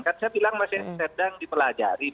kan saya bilang masih sedang dipelajari